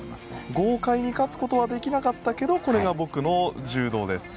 豪快に勝つことはできなかったけどこれが僕の柔道ですと。